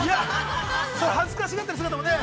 ◆そういう恥ずかしがってる姿もね。